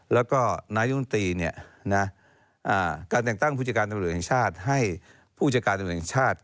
แล้วก็นายกรมนตรีการแส่งตั้งผู้จัดการตำรวจให้ผู้จัดการตำรวจแถวชาติ